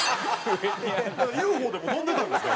ＵＦＯでも飛んでたんですか？